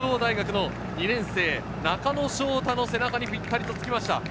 前を行く中央大学の２年生、中野翔太の背中にぴったりつきました。